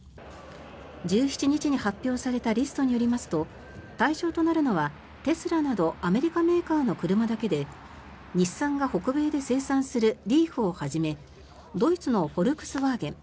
１７日に発表されたリストによりますと対象となるのはテスラなどアメリカメーカーの車だけで日産が北米で生産するリーフをはじめドイツのフォルクスワーゲン